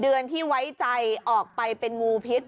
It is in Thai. เดือนที่ไว้ใจออกไปเป็นงูพิษ